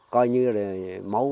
coi như là